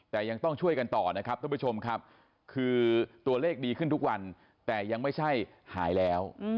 แต่ยังต้องช่วยกันต่อนะครับท่านผู้ชมครับคือตัวเลขดีขึ้นทุกวันแต่ยังไม่ใช่หายแล้ว